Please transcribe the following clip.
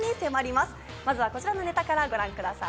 まずはこちらのネタからご覧ください。